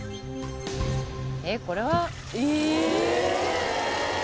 えっこれはえーっ！